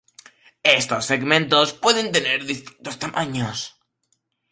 Estos segmentos pueden tener distintos tamaños.